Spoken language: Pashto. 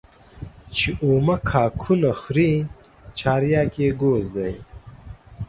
چي اومه کاکونه خوري چارياک يې گوز دى.